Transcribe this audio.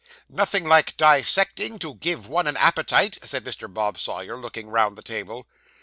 'Nothing like dissecting, to give one an appetite,' said Mr. Bob Sawyer, looking round the table.